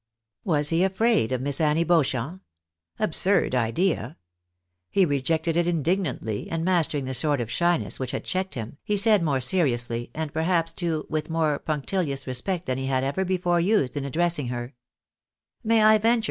Was he afraid of Miss Annie Beauchamp ? Absurd idea ! He rejected it indignantly, and, mastering the sort of shyness which had checked him, he said more seriously, and perhaps, too, with more punctilious respect than he had ever before used in addressing her —" May I venture.